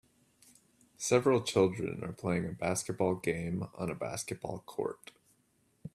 Several children are playing a basketball game on a basketball court